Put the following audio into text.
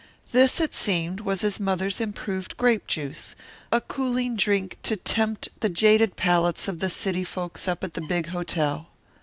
This, it seemed, was his mother's improved grape juice, a cooling drink to tempt the jaded palates of the city folks up at the big hotel.